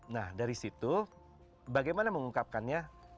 nah dari situ bagaimana mengungkapkannya